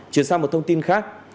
chuyển sang một thông tin khác